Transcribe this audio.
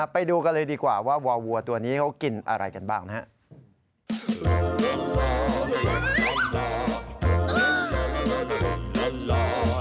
ไปดูกันเลยดีกว่าว่าวัวตัวนี้เขากินอะไรกันบ้างนะครับ